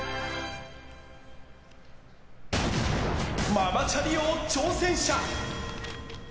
ママチャリ王挑戦者。